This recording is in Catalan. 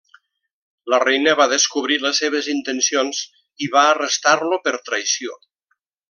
La reina va descobrir les seves intencions i va arrestar-lo per traïció.